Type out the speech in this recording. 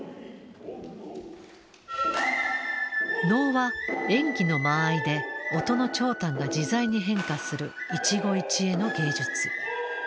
能は演技の間合いで音の長短が自在に変化する一期一会の芸術。